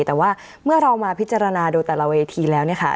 แต่ว่าเมื่อเรามาพิจารณาดูแต่ละวัยทีแล้วเนี่ยค่ะ